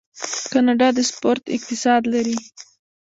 کاناډا د سپورت اقتصاد لري.